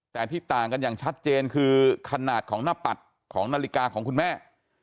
แต่ที่ต่างกันอย่างชัดเจนคือขนาดของหน้าปัดของนาฬิกาของคุณแม่